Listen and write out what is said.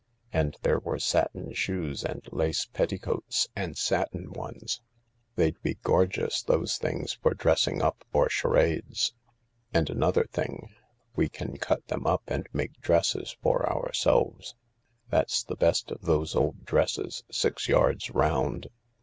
And there were satin shoes and lace petti coats, and satin ones. They'd be gorgeous, those things, for dressing up or charades. And another thing : we can cut them up and make dresses for ourselves. That's the best of those old dresses six yards round."